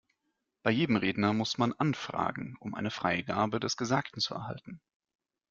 Bei jedem Redner muss man anfragen, um eine Freigabe des Gesagten zu erhalten.